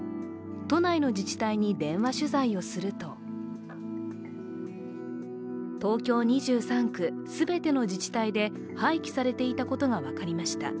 都内の自治体に電話取材をすると東京２３区全ての自治体で廃棄されていることが分かりました。